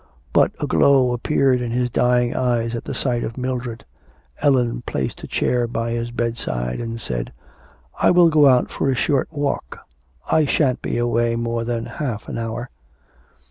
But a glow appeared in his dying eyes at the sight of Mildred. Ellen placed a chair by his bedside and said: 'I will go out for a short walk. I shan't be away more than half an hour.'